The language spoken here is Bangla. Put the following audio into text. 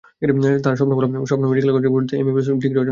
তাঁর স্বপ্ন, ভালো মেডিকেল কলেজে ভর্তি হয়ে এমবিবিএস ডিগ্রি অর্জন করার।